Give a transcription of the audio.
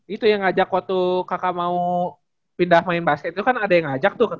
itu yang ngajak waktu kakak mau pindah main basket itu kan ada yang ngajak tuh